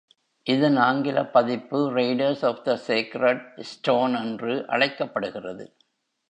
இதன் ஆங்கில பதிப்பு "Raiders of the Sacred Stone" என்று அழைக்கப்படுகிறது.